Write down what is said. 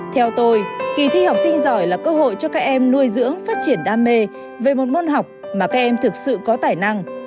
theo tôi kỳ thi học sinh giỏi là cơ hội cho các em nuôi dưỡng phát triển đam mê về một môn học mà các em thực sự có tài năng